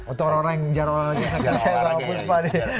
untuk orang orang yang jarang olahraga misalnya kalau aku sempat ya